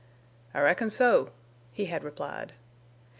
"I reckon so," he had replied.